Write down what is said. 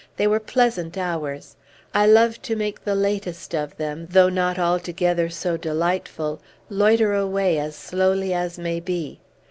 They were pleasant hours! I love to make the latest of them, though not altogether so delightful, loiter away as slowly as may be.